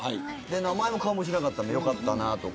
名前も顔も知らなかったのでよかったなとか。